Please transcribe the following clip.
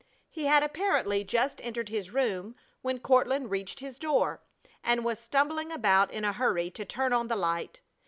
He had apparently just entered his room when Courtland reached his door, and was stumbling about in a hurry to turn on the light.